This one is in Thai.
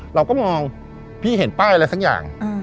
เราก็มองพี่เห็นป้ายอะไรสักอย่าง